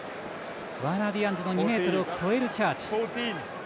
ワーナー・ディアンズの２ｍを超えるチャージ。